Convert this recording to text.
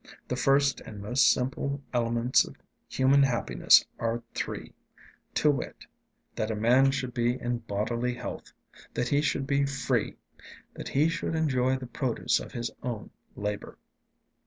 The first and most simple elements of human happiness are three; to wit, that a man should be in bodily health, that he should be free, that he should enjoy the produce of his own labor.